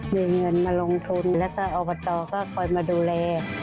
มีเงินมาลงทุนแล้วก็คอยมาดุแล